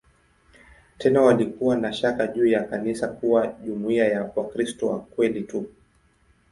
Tena walikuwa na shaka juu ya kanisa kuwa jumuiya ya "Wakristo wa kweli tu".